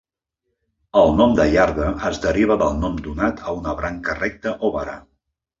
El nom de iarda es deriva del nom donat a una branca recta o vara.